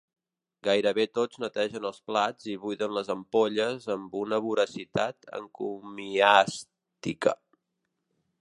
Gairebé tots netegen els plats i buiden les ampolles amb una voracitat encomiàstica.